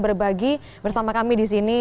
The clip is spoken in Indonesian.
berbagi bersama kami di sini